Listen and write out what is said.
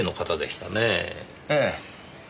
ええ。